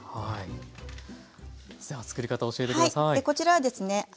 こちらはですね